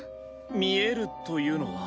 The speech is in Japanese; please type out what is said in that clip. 「見える」というのは？